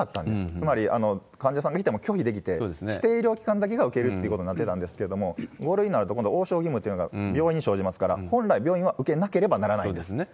つまり、患者さんが来ても拒否できて、指定医療機関だけが受け入れるってことになってたんけれども、５類になると、今度、応召義務っていうのが病院に生じますから、本来、病院は受けなければならないです。